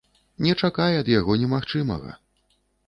Не чакай ад яго немагчымага.